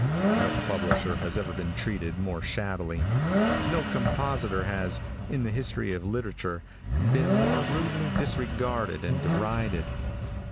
No publisher has ever been treated more shabbily; no compositor has, in the history of literature, been more rudely disregarded and derided.